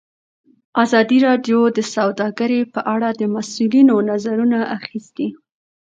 ازادي راډیو د سوداګري په اړه د مسؤلینو نظرونه اخیستي.